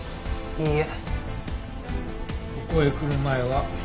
いいえ。